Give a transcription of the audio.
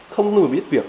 không có người biết việc